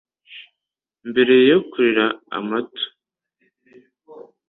mbere yo kurira amato.